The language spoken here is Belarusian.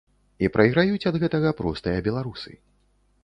І прайграюць ад гэтага простыя беларусы.